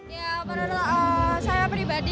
ya menurut saya pribadi